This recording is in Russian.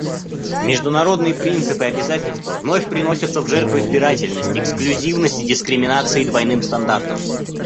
Международные принципы и обязательства вновь приносятся в жертву избирательности, эксклюзивности, дискриминации и двойным стандартам.